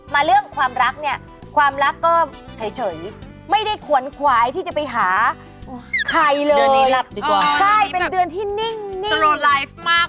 มาเรื่องความรักเนี่ยความรักก็เฉยไม่ได้ขวนควายที่จะไปหาใครเลย